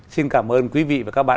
xin cảm ơn quý vị và các bạn